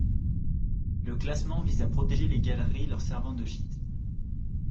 Le classement vise à protéger les galeries leur servant de gîtes.